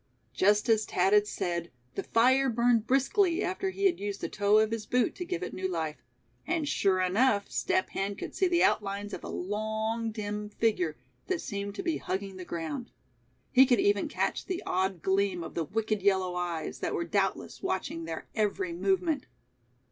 Just as Thad had said, the fire burned briskly after he had used the toe of his boot to give it new life; and sure enough, Step Hen could see the outlines of a long, dim figure that seemed to be hugging the ground. He could even catch the odd gleam of the wicked yellow eyes that were doubtless watching their every movement.